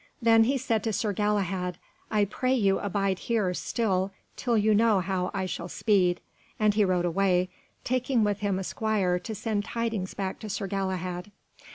Then he said to Sir Galahad, "I pray you abide here still, till you know how I shall speed," and he rode away, taking with him a squire to send tidings back to Sir Galahad.